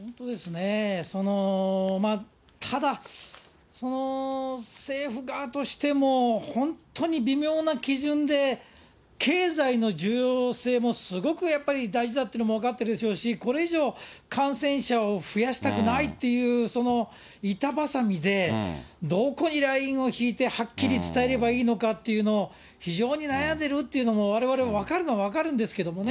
ただ、政府側としても本当に微妙な基準で、経済の重要性もすごくやっぱり大事だってのも分かってるでしょうし、これ以上、感染者を増やしたくないという、その板挟みで、どこにラインを引いてはっきり伝えればいいのかっていうのを非常に悩んでるというのも、われわれも分かるのは分かるんですけどもね。